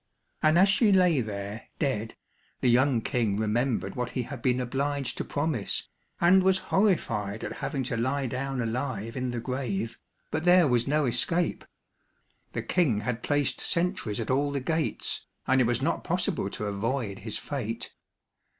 And as she lay there dead, the young King remembered what he had been obliged to promise, and was horrified at having to lie down alive in the grave, but there was no escape. The King had placed sentries at all the gates, and it was not possible to avoid his fate.